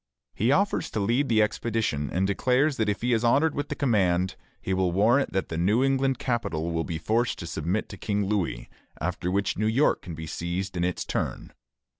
He offers to lead the expedition, and declares that if he is honored with the command, he will warrant that the New England capital will be forced to submit to King Louis, after which New York can be seized in its turn.